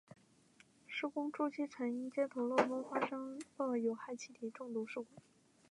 施工初期曾因接头漏风发生过有害气体中毒事故。